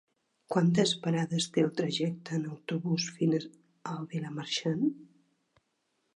Quantes parades té el trajecte en autobús fins a Vilamarxant?